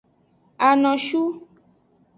Anoshu.